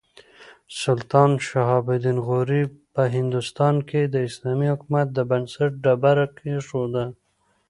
سلطان شهاب الدین غوري په هندوستان کې د اسلامي حکومت د بنسټ ډبره کېښوده.